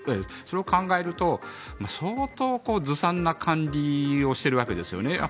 それを考えると相当、ずさんな管理をしているわけですよね。